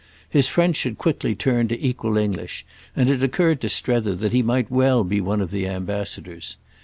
His French had quickly turned to equal English, and it occurred to Strether that he might well be one of the ambassadors.